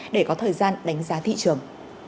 để có thời gian đánh giá thị trường